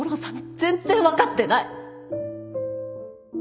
全然分かってない！